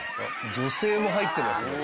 女性も入ってますね。